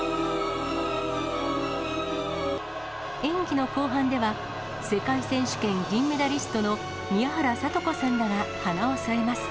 演技の後半では世界選手権銀メダリストの宮原知子さんらが花を添えます。